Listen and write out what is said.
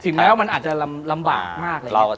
แม้ว่ามันอาจจะลำบากมากเลย